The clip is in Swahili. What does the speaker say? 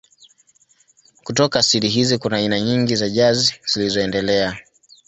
Kutoka asili hizi kuna aina nyingi za jazz zilizoendelea.